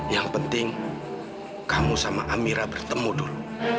yang penting kamu sama amira bertemu dulu